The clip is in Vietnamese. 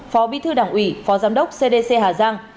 phó bí thư đảng ủy phó giám đốc cdc hà giang